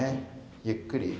ゆっくり。